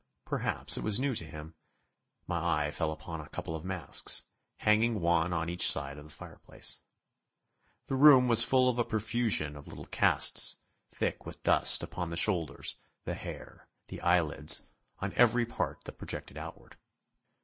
Perhaps it was new to him. My eye fell upon a couple of masks, hanging one on each side of the fireplace. The room was full of a profusion of little casts, thick with dust upon the shoulders, the hair, the eyelids, on every part that projected outward.